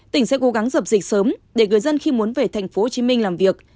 tỉnh sẽ cố gắng dập dịch sớm để người dân khi muốn về tp hcm làm việc